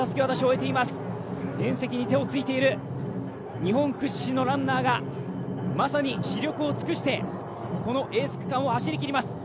日本屈指のランナーが、まさに死力を尽くしてこのエース区間を走りきります。